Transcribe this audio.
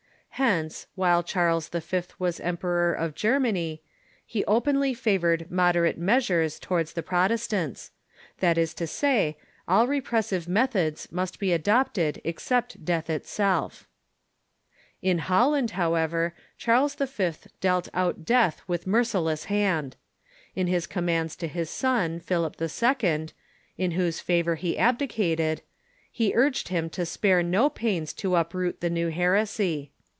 Hence, while Charles V. Avas Emperor of Germany, he openly favored moderate measures toAvards the Protestants ; that is to say, all repressive methods must be adopted except death itself. TUE UEKALDS OF PROTESTANTISM 197 In Holland, however, Charles V. dealt out death with merci less hand. In his commands to his son, Philip II., in whose favor he abdicated, he urged him to spare no pains to uproot the new heresy.